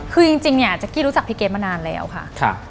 คือจริงเนี่ยแจ๊กกี้รู้จักพี่เกดมานานแล้วค่ะ